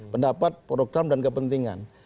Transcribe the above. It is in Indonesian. pendapat program dan kepentingan